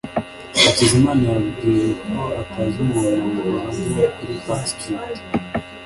Hakizamana yambwiye ko atazi umuntu wabaga kuri Park Street